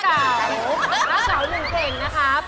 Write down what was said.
ฮะกล่าวหนึ่งเข่งนะครับ